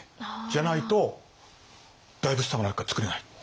じゃないと大仏様なんかつくれない。